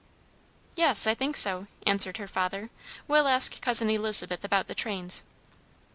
"Yes, I think so," answered her father. "We'll ask Cousin Elizabeth about the trains."